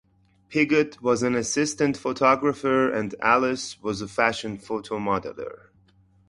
Piggott was an assistant photographer and Alas was a fashion photo modeler.